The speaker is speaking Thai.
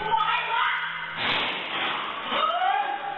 เจ้าเจ้าเจ้า